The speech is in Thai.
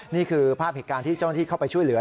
นี่คือภาพเหตุการณ์ที่เจ้าหน้าที่เข้าไปช่วยเหลือ